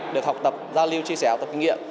được học tập giao lưu chia sẻ học tập kinh nghiệm